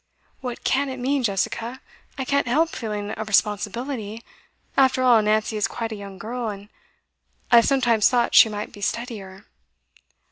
'What can it mean, Jessica? I can't help feeling a responsibility. After all, Nancy is quite a young girl; and I've sometimes thought she might be steadier.